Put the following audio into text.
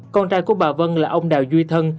con trai của bà vân là ông đào duy thân